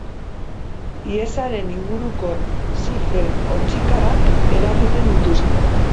Hiesaren inguruko zifrek hotzikarak eragiten dituzte.